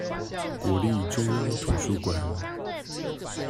國立中央圖書館